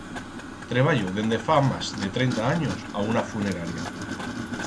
Treballo dende fa mas de trenta anyos a una funeraria.